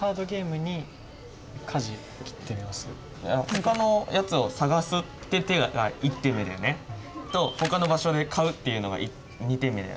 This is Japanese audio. ほかのやつを探すって手が１点目だよね。とほかの場所で買うっていうのが２点目だよね。